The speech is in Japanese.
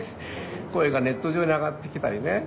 声がネット上に上がってきたりね